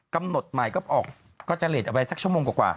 กำหนดใหม่ก็ออกก็จะเลสเอาไว้สักชั่วโมงกว่า